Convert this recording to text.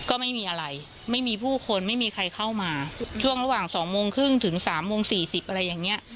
ก็ไม่มีอะไรไม่มีผู้คนไม่มีใครเข้ามาช่วงระหว่างสองโมงครึ่งถึงสามโมงสี่สิบอะไรอย่างเงี้ย